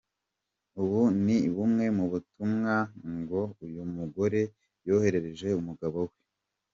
Ubu ni bumwe mu butumwa ngo uyu mugore yoherereje umugabo we.